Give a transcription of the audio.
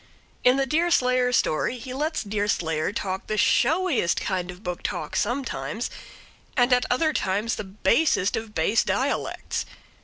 In the Deerslayer story he lets Deerslayer talk the showiest kind of book talk sometimes, and at other times the basest of base dialects.